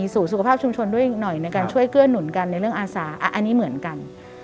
สู่สุขภาพชุมชนด้วยอีกหน่อยในการช่วยเกื้อหนุนกันในเรื่องอาสาอันนี้เหมือนกัน